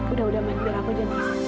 udah udah main biar aku aja